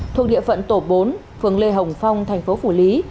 thuộc địa phận tổ bốn phường lê hồng phong tp phủ lý